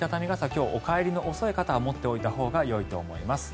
今日お帰りの遅い方は持っておいたほうがよいと思います。